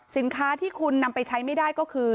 สินค้าที่คุณนำไปใช้ไม่ได้ก็คือ